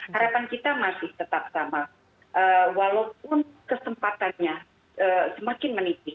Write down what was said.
harapan kita masih tetap sama walaupun kesempatannya semakin menipis